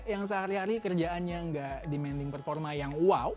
yang sehari hari kerjaannya nggak demanding performa yang wow